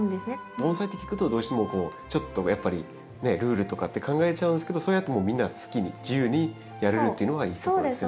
盆栽って聞くとどうしてもちょっとやっぱりルールとかって考えちゃうんですけどそうやってみんな好きに自由にやれるっていうのがいいところですよね。